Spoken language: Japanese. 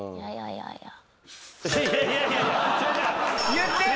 言ってよ！